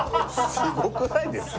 スゴくないですか？